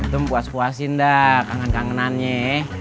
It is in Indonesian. itu mempuas puasin dah kangen kangenannya